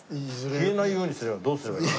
消えないようにするにはどうすればいいの？